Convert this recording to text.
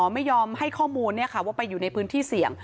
ไม่ยอมให้ข้อมูลว่าไปอยู่ในพื้นที่เสี่ยง